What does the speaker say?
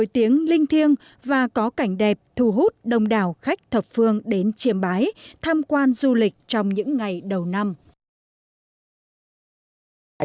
tiếng linh thiêng và có cảnh đẹp thu hút đông đảo khách thập phương đến chiêm bái tham quan du lịch trong những ngày đầu năm